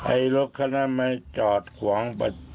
ไอ้รถคณะมาจอดของ